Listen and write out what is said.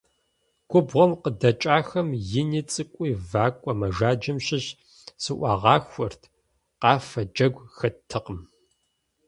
Губгъуэм къыдэкӀахэм ини цӀыкӀуи вакӀуэ мэжаджэм щыщ зыӀуагъахуэрт, къафэ, джэгу хэттэкъым.